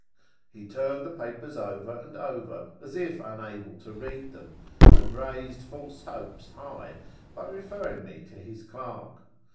He turned the papers over and over, as if unable to read them, and raised false hopes high by referring me to his clerk.